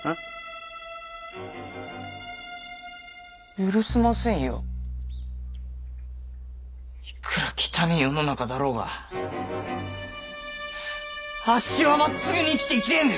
許せませんよいくら汚ぇ世の中だろうがあっしはまっすぐに生きていきてぇんです